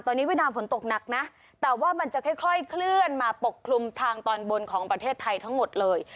ตอนนี้เวียดนามฝนตกหนักนะแต่ว่ามันจะค่อยเคลื่อนมาปกคลุมทางตอนบนของประเทศไทยทั้งหมดเลย